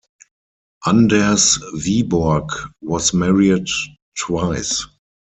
Anders Wiborg was married twice.